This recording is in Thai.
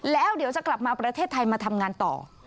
แล้วเดี๋ยวจะกลับมาประเทศไทยมาทำงานต่อ